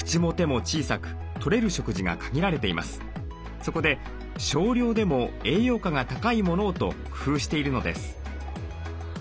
そこで少量でも栄養価が高いものをと工夫しているのです。